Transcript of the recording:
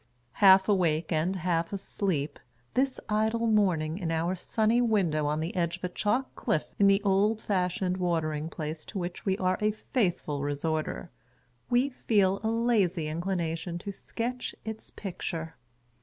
Half awake and half asleep, this idle morning in our sunny window on the edge of a chalk cliff in the old fashioned Watering Place to which we are a faithful resorter, we feel a lazy inclination to sketch its picture.